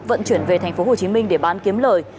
vận chuyển về tp hcm để bán kiếm lời